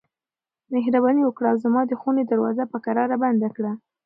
مهرباني وکړه او زما د خونې دروازه په کراره بنده کړه.